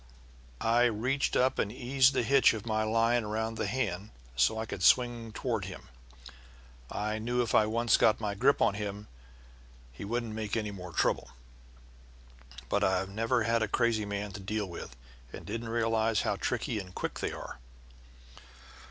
I reached up and eased the hitch of my line around the hand so I could swing toward him. I knew if I once got my grip on him he wouldn't make any more trouble. But I'd never had a crazy man to deal with, and I didn't realize how tricky and quick they are.